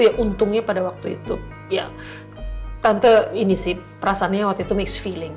iya untungnya pada waktu itu ya tante ini sih perasaannya waktu itu mixed feeling